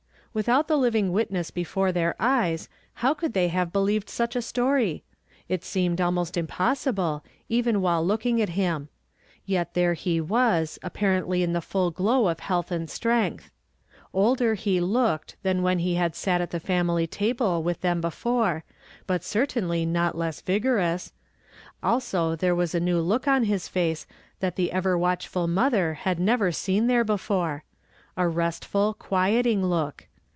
Without the living witness before their eyes, how could they have believed such a story? It seemed almost impossible, even while looking at him. Yet there he was, apparently in the full glow of health and strength ! Older, he looked, than when he had sat at the family table with them be fore, but certainly not less vigorous. Also there was a new look on his face that the ever watchful mother had never seen there before. A restful, quieting look.